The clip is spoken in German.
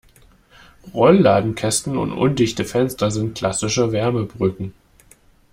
Rollladenkästen und undichte Fenster sind klassische Wärmebrücken.